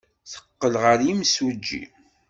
Teqqel ɣer yimsujji.